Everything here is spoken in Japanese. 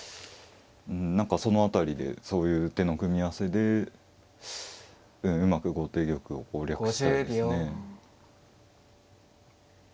なんかその辺りでそういう手の組み合わせでうまく後手玉を攻略したいですね。